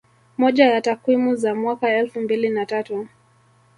Moja ya takwimu za mwaka elfu mbili na tatu